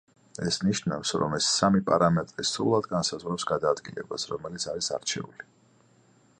ეს ნიშნავს, რომ ეს სამი პარამეტრი სრულად განსაზღვრავს გადაადგილებას, რომელიც არის არჩეული.